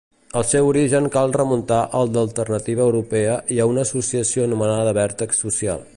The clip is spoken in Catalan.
El seu origen cal remuntar al d'Alternativa Europea i a una associació anomenada Vèrtex Social.